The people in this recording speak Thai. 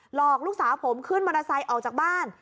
หลอกลูกสาวผมขึ้นมอเตอร์ไซค์ออกจากบ้าน